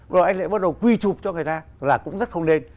rồi anh lại bắt đầu quy chụp cho người ta là cũng rất không nên